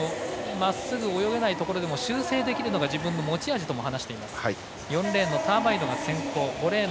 まっすぐ泳げないところでも修正できるのが自分の持ち味とも話しています。